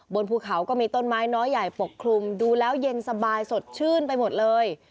บนภูเขาก็มีต้นไม้น้อยใหญ่ปกคลุมดูแล้วเย็นสบายสดชื่นไปหมดเลย